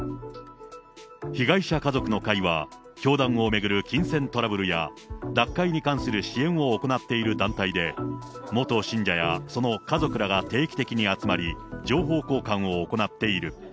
被害者家族の会は、教団を巡る金銭トラブルや、脱会に関する支援を行っている団体で、元信者やその家族らが定期的に集まり、情報交換を行っている。